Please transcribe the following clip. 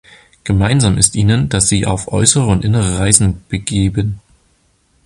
Gemeinsam ist ihnen, dass sie auf äussere und innere Reisen begeben.